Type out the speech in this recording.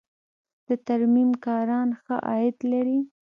د ترمیم کاران ښه عاید لري